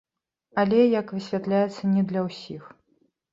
Але, як высвятляецца, не для ўсіх.